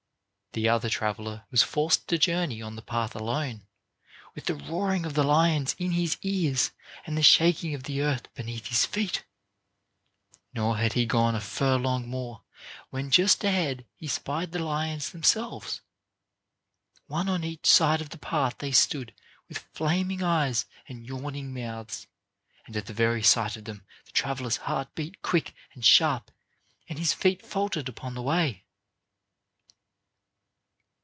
The other traveler was forced to journey on the path alone, with the roaring of the lions in his ears and the shaking of the earth beneath his feet. Nor had he gone a furlong more when just ahead he spied the lions themselves. One on each side of the path they stood with flaming eyes and yawning mouths; and at the very sight of them the traveler's heart beat quick and sharp and his feet faltered upon the way.